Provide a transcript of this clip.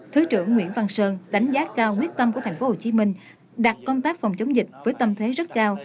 thứ trưởng nguyễn văn sơn đánh giá cao quyết tâm của tp hcm đặt công tác phòng chống dịch với tâm thế rất cao